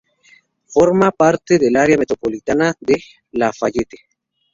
Forma parte del área metropolitana de Lafayette.